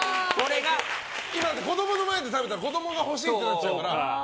今は子供の前で食べたら子供が欲しいってなっちゃうから。